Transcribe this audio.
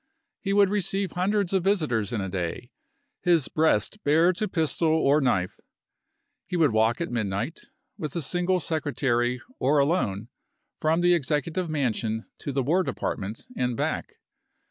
He would receive hundreds of visitors in a day, his breast bare to pistol or knife. He would walk at midnight, with a single secretary or alone, from the Executive Mansion to the War Department and back.